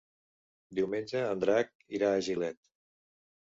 Diumenge en Drac irà a Gilet.